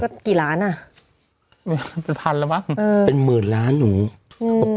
ก็กี่ล้านอ่ะเป็นพันแล้วมั้งเออเป็นหมื่นล้านหนู